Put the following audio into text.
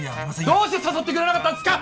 どうして誘ってくれなかったんですか！？